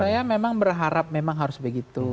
saya memang berharap memang harus begitu